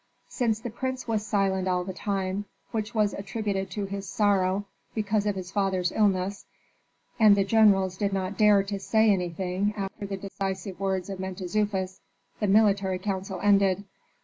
Since the prince was silent all the time, which was attributed to his sorrow because of his father's illness, and the generals did not dare to say anything after the decisive words of Mentezufis, the military council ended.